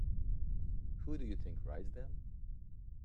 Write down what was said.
Who do you think writes them?